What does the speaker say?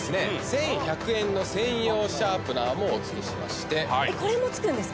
１１００円の専用シャープナーもお付けしましてえっこれも付くんですか？